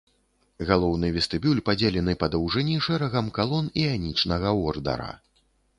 Галоўны вестыбюль падзелены па даўжыні шэрагам калон іанічнага ордара.